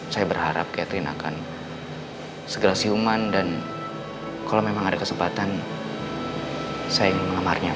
saya berharap catherine akan segera siuman dan kalau memang ada kesempatan saya ingin mengemarnya